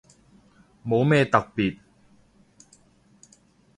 冇咩特別